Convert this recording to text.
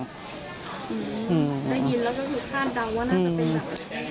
ได้ยินแล้วก็ค่านดังว่าน่าจะเป็นอะไร